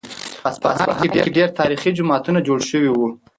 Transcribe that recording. په اصفهان کې ډېر تاریخي جوماتونه جوړ شوي وو.